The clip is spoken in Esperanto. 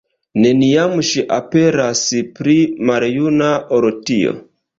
Neniam ŝi aperas pli maljuna ol tio.